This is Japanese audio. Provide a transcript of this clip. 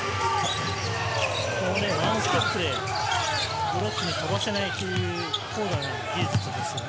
ワンステップでブロックに飛ばせないという高度な技術ですよね。